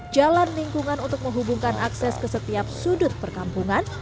jalan lingkungan untuk menghubungkan akses ke setiap sudut perkampungan